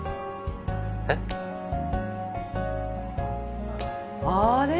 えっ？あれ？